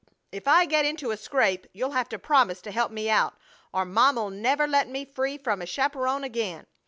If I get into a scrape you'll have to promise to help me out, or mamma'll never let me free from a chaperon again.